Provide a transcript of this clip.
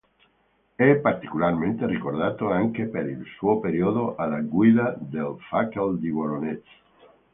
E particolarmente ricordato anche per il suo periodo alla guida del Fakel di Voronež.